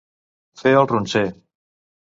Fer el ronser.